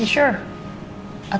tidak ada apa apa